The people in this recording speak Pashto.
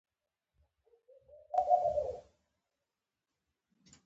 د جګړو تیورسنان هر څه ځایولی شي.